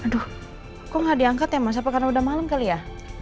aduh kok nggak diangkat ya mas apa karena udah malam kali ya